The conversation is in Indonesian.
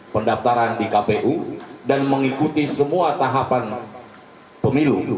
pendaftaran di kpu dan mengikuti semua tahapan pemilu